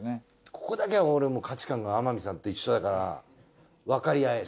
ここだけは俺価値観が天海さんと一緒だからわかり合える。